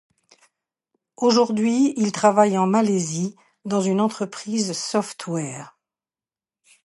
Aujourd’hui, il travaille en Malaisie dans une entreprise software.